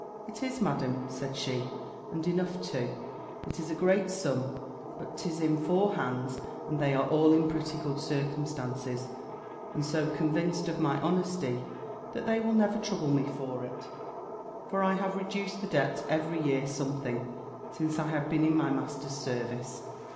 "It is, Madam," said she, "and enough too. It is a great sum; but 'tis in four hands, and they are all in pretty good circumstances, and so convinced of my honesty, that they will never trouble me for it; for I have reduced the debt every year something, since I have been in my master's service."